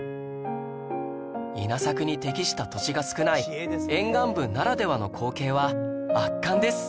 稲作に適した土地が少ない沿岸部ならではの光景は圧巻です！